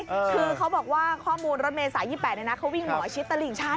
คือเขาบอกว่าข้อมูลรถเมย์สาย๒๘เขาวิ่งเหมาะชิดตะหลิงชั้น